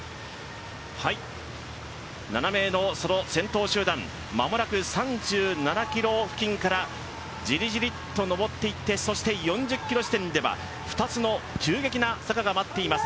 ７名の先頭集団間もなく３７ｋｍ付近からじりじりっと上っていって、４０ｋｍ地点では２つの急激な坂が待っています。